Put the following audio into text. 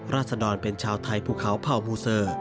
ราศดรเป็นชาวไทยภูเขาเผ่ามูเซอร์